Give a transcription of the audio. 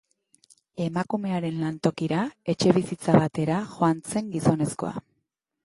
Emakumearen lantokira, etxebizitza batera, joan zen gizonezkoa.